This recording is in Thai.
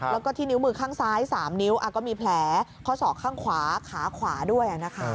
แล้วก็ที่นิ้วมือข้างซ้าย๓นิ้วก็มีแผลข้อศอกข้างขวาขาขวาด้วยนะคะ